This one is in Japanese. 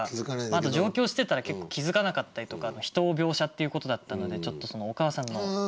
あと上京してたら結構気付かなかったりとか人を描写っていうことだったのでちょっとそのお母さんの手に注目して。